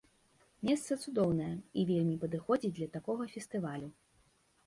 Месца цудоўнае і вельмі падыходзіць для такога фестывалю!